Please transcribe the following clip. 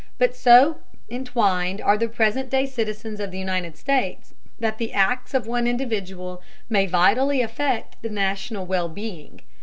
But so entwined are the present day citizens of the United States that the acts of one individual may vitally affect the national well being.